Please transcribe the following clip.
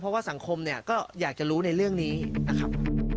เพราะว่าสังคมเนี่ยก็อยากจะรู้ในเรื่องนี้นะครับ